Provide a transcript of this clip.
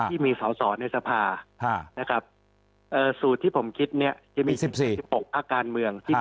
ที่มีเสาสอนในสภาสูตรที่ผมคิดจะมี๑๖พักการเมือง